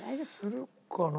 するかな？